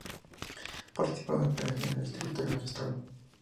Participó en las operaciones del terrorismo de Estado.